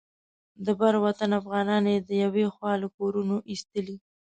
د بر وطن افغانان یې له یوې خوا له کورونو ایستلي.